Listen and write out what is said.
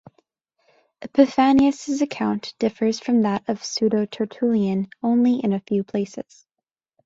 Epiphanius' account differs from that of Pseudo-Tertullian only in a few places.